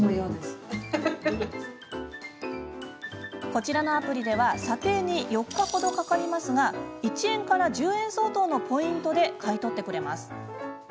こちらのアプリでは査定に４日程かかりますが１円から１０円相当のポイントで買い取ってくれます。